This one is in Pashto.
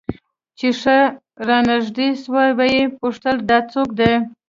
چې ښه رانژدې سوه ويې پوښتل دا څوک دى.